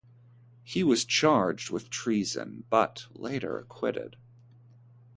He was charged with treason but later acquitted.